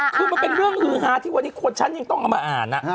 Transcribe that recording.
คือมันเป็นเรื่องฮือฮาที่วันนี้คนฉันยังต้องเอามาอ่าน